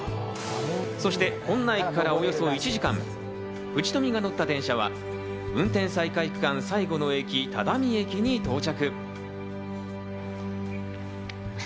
そして本名駅からおよそ１時間、藤富が乗った電車は運転再開区間最後の駅、只見駅に到着。